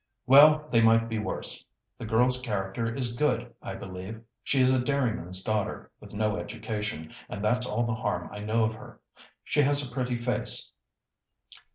"Well they might be worse. The girl's character is good, I believe; she is a dairyman's daughter, with no education, and that's all the harm I know of her. She has a pretty face.